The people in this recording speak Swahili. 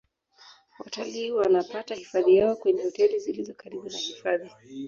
watalii wanapata hifadhi yao kwenye hoteli zilizo karibu na hifadhi